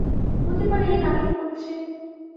হতে পারে এ নাটক করছে।